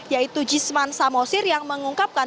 yaitu jisman samosir yang mengungkapkan